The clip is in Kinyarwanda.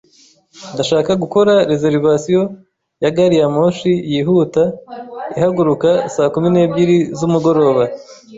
Ndashaka gukora reservation ya gari ya moshi yihuta ihaguruka saa kumi n'ebyiri z'umugoroba